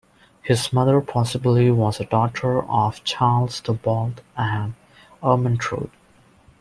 His mother possibly was a daughter of Charles the Bald and Ermentrude.